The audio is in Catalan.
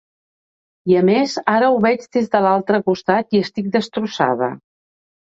I, a més, ara ho veig des de l’altre costat i estic destrossada.